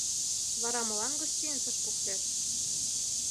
— Вара молан гостиницыш поктет?